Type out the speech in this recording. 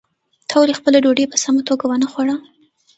تا ولې خپله ډوډۍ په سمه توګه ونه خوړه؟